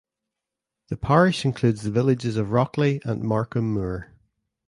The parish includes the villages of Rockley and Markham Moor.